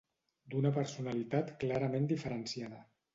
d'una personalitat clarament diferenciada